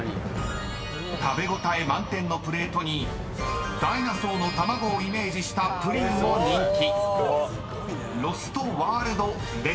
［食べ応え満点のプレートにダイナソーの卵をイメージしたプリンも人気］